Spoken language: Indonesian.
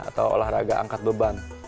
atau olahraga angkat beban